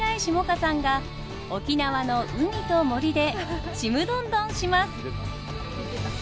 歌さんが沖縄の海と森でちむどんどんします！